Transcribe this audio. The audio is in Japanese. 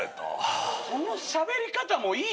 そのしゃべり方もいいよ。